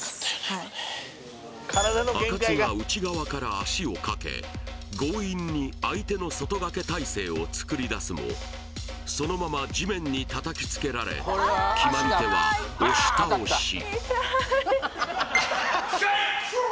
かつが内側から足をかけ強引に相手の外掛け体勢を作りだすもそのまま地面にたたきつけられ決まり手は押し倒しはっけよい！